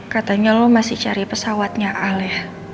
katanya lo masih cari pesawatnya aleh